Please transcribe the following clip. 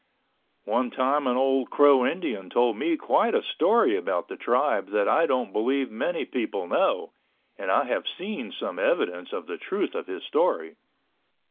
One time an old Crow Indian told me quite a story about the Tribe that I don't believe many people know (and I have seen some evidence of the truth of his story).